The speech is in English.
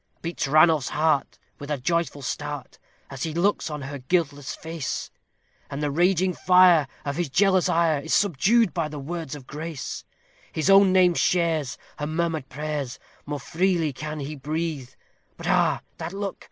Beats Ranulph's heart with a joyful start, as he looks on her guiltless face; And the raging fire of his jealous ire is subdued by the words of grace; His own name shares her murmured prayers more freely can he breathe; But ah! that look!